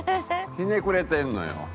ひねくれてるのよ。